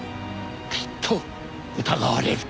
きっと疑われる。